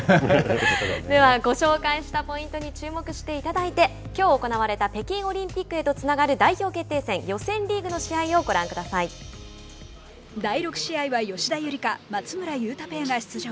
では、ご紹介したポイントに注目していただいてきょう行われた北京オリンピックへとつながる代表決定戦第６試合は吉田夕梨花、松村雄太ペアが出場。